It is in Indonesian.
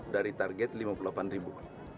dari target lima puluh delapan ribu